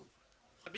tapi jangan lupa